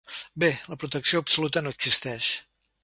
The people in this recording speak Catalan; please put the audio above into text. Bé, la protecció absoluta no existeix.